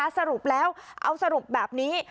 สรุปแล้วเอาสรุปแบบนี้